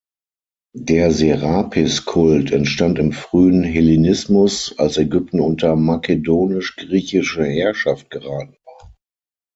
Der Serapis-Kult entstand im frühen Hellenismus, als Ägypten unter makedonisch-griechische Herrschaft geraten war.